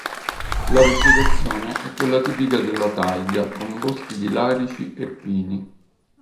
La vegetazione è quella tipica della taiga con boschi di larici e pini.